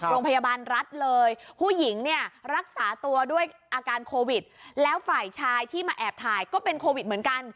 โรงพยาบาลรัฐเลยผู้หญิงเนี่ยรักษาตัวด้วยอาการโควิดแล้วฝ่ายชายที่มาแอบถ่ายก็เป็นโควิดเหมือนกัน